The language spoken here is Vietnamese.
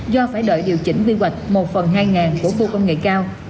do phải đợi điều chỉnh quy hoạch một phần hai của khu công nghệ cao